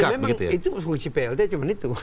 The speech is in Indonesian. oh ya memang fungsi plt cuma itu